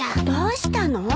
どうしたの？